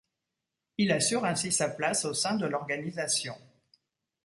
Il assure ainsi sa place au sein de l'organisation.